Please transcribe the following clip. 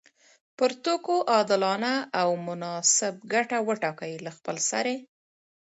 پر توکو عادلانه او مناسب ګټه وټاکي له خپلسري